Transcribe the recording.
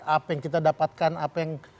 apa yang kita dapatkan apa yang